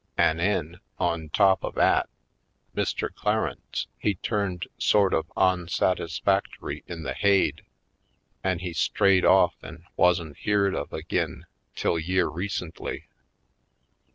An' 'en, on top of 'at, Mr. Clarence he turned sort of on satisfactory in the haid an' he strayed off an' wuzn' beared of ag'in till yere recently.